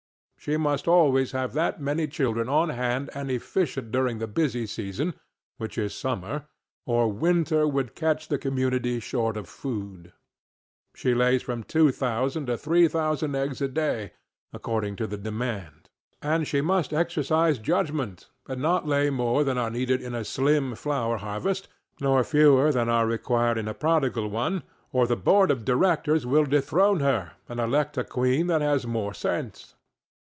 She must always have that many children on hand and efficient during the busy season, which is summer, or winter would catch the community short of food. She lays from two thousand to three thousand eggs a day, according to the demand; and she must exercise judgment, and not lay more than are needed in a slim flower harvest, nor fewer than are required in a prodigal one, or the board of directors will dethrone her and elect a queen that has more sense.